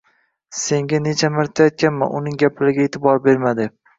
Senga necha marta aytganman, uning gaplariga e`tibor berma, deb